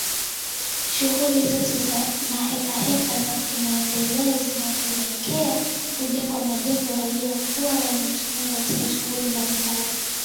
Shughuli zote na hekaheka za kimaendeleo zilipelekea kujengwa majengo yaliyokuwa yakitumiwa katika shughuli mbalimbali